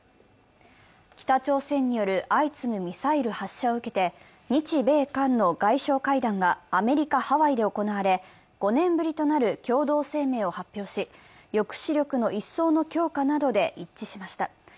北朝鮮による相次ぐミサイル発射を受けて日米韓の外相会談がアメリカ・ハワイで行われ、５年ぶりとなる共同声明を発表し、抑止力の一層の強化などで一致しました。